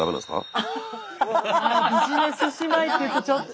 ビジネス姉妹っていうとちょっと。